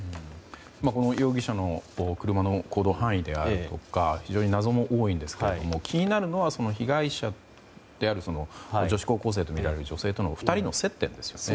この容疑者の車の行動範囲であるとか非常に謎が多いんですが気になるのは被害者である女子高校生とみられる女性との２人の接点ですよね。